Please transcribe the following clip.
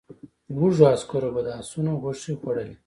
وږو عسکرو به د آسونو غوښې خوړلې.